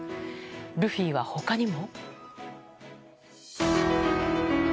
ルフィは、他にも？